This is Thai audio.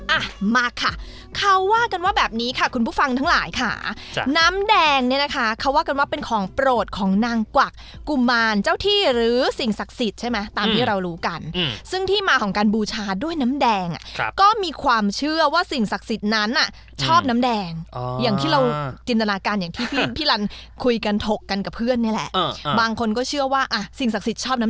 อ่ะมาค่ะเขาว่ากันว่าแบบนี้ค่ะคุณผู้ฟังทั้งหลายค่ะจ้ะน้ำแดงเนี้ยนะคะเขาว่ากันว่าเป็นของโปรดของนางกวักกุมารเจ้าที่หรือสิ่งศักดิ์สิทธิ์ใช่ไหมตามที่เรารู้กันอืมซึ่งที่มาของการบูชาด้วยน้ำแดงอ่ะครับก็มีความเชื่อว่าสิ่งศักดิ์สิทธิ์นั้นน่ะชอบน้ํ